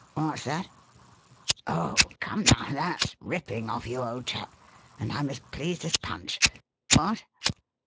What's that? Oh, come, now, that's ripping of you, old chap, and I'm as pleased as Punch. What?